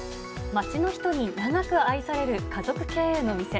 街の人に長く愛される家族経営の店。